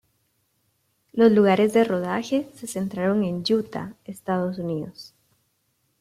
Los lugares de rodaje se centraron en Utah, Estados Unidos.